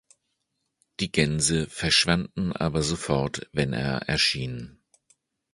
Die Gänse verschwanden aber sofort, wenn er erschien.